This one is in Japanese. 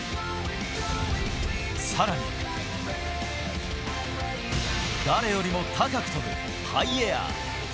さらに、誰よりも高く飛ぶハイエアー。